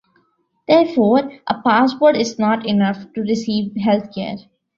Therefore, a passport is not enough to receive health care.